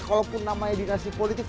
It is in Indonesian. kalaupun namanya dinasti politik